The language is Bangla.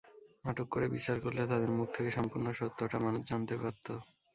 আটক করে বিচার করলে তাদের মুখ থেকে সম্পূর্ণ সত্যটা মানুষ জানতে পারত।